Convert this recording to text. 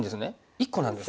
１個なんですね。